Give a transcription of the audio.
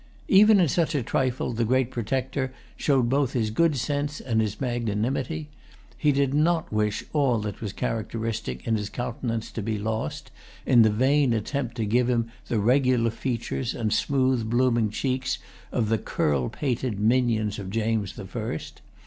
Even in such a trifle, the great Protector showed both his good sense and his magnanimity. He did not wish[Pg 115] all that was characteristic in his countenance to be lost, in the vain attempt to give him the regular features and smooth blooming cheeks of the curl pated minions of James the First.